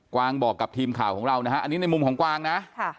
วางบอกกับทีมข่าวของเรานะฮะอันนี้ในมุมของกวางนะ